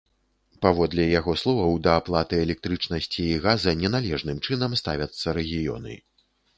Паводле яго словаў, да аплаты электрычнасці і газа неналежным чынам ставяцца рэгіёны.